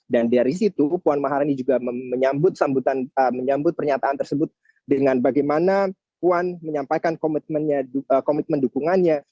dan dari situ puan maharini juga menyambut pernyataan tersebut dengan bagaimana puan menyampaikan komitmen dukungannya